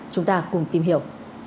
chúng ta cùng tìm hiểu